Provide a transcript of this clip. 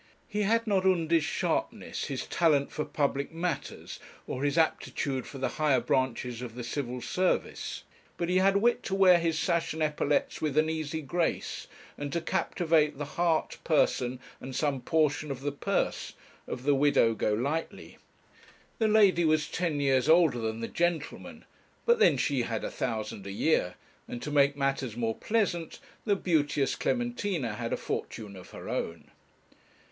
He had not Undy's sharpness, his talent for public matters, or his aptitude for the higher branches of the Civil Service; but he had wit to wear his sash and epaulets with an easy grace, and to captivate the heart, person, and some portion of the purse, of the Widow Golightly. The lady was ten years older than the gentleman; but then she had a thousand a year, and, to make matters more pleasant, the beauteous Clementina had a fortune of her own.